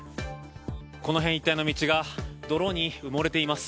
この辺一帯の道が泥に埋もれています。